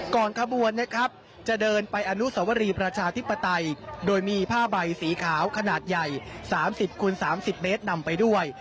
ขบวนนะครับจะเดินไปอนุสวรีประชาธิปไตยโดยมีผ้าใบสีขาวขนาดใหญ่๓๐คูณ๓๐เมตรนำไปด้วย